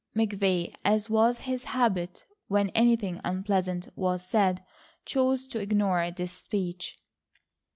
McVay, as was his habit when anything unpleasant was said, chose to ignore this speech.